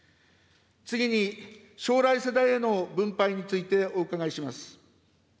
次に、将来世代への分配についてお伺いします。